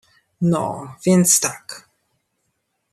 "No, więc tak."